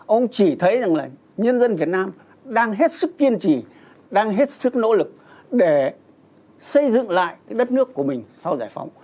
ông chỉ thấy rằng là nhân dân việt nam đang hết sức kiên trì đang hết sức nỗ lực để xây dựng lại cái đất nước của mình sau giải phóng